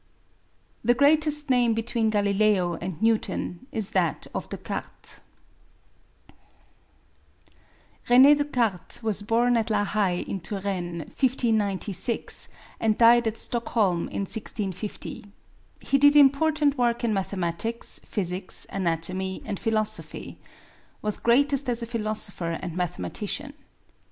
The greatest name between Galileo and Newton is that of Descartes. René Descartes was born at La Haye in Touraine, 1596, and died at Stockholm in 1650. He did important work in mathematics, physics, anatomy, and philosophy. Was greatest as a philosopher and mathematician.